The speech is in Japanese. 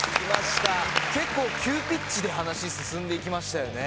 結構急ピッチで話進んでいきましたよね。